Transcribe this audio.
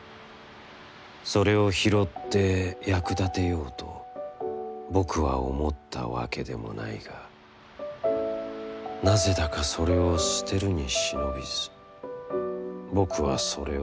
それを拾って、役立てようと僕は思ったわけでもないがなぜだかそれを捨てるに忍びず僕はそれを、袂に入れた。